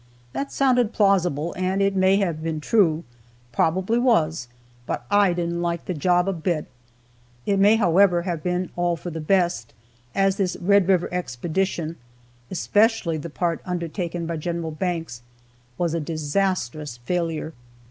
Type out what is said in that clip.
That sounded plausible, and it may have been true, probably was, but I didn't like the job a bit. It may, however, have all been for the best, as this Red River expedition, especially the part undertaken by Gen. Banks, was a disastrous failure.